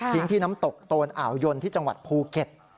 ที่น้ำตกโตนอ่าวยนที่จังหวัดภูเก็ต